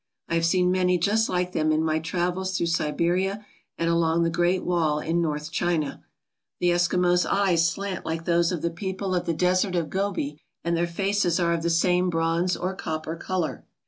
I have seen many just like them in my travels through Siberia and along the Great Wall in north China. The Eskimos' eyes slant like those of the people of the Desert of Gobi and their faces are of the same bronze or copper colour.